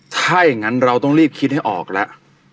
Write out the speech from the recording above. ถ้าอย่างนั้นเราต้องรีบคิดให้ออกแล้ว